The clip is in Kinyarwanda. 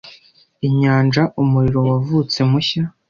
inyanja umuriro wavutse mushya